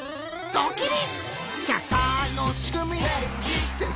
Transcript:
ドキリ！